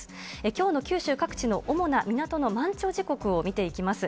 きょうの九州各地の主な港の満潮時刻を見ていきます。